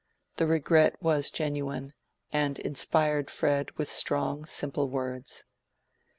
The regret was genuine, and inspired Fred with strong, simple words.